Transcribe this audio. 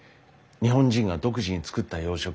日本人が独自に作った洋食。